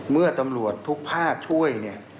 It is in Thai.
เมื่อตำรวจทุกภาคช่วย